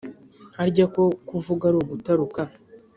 ”harya ko kuvuga ari ugutaruka,